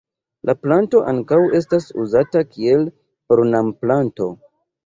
La planto ankaŭ estas uzata kiel ornamplanto.